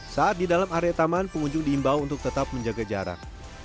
saat di dalam area taman pengunjung diimbau untuk tetap menjaga jarak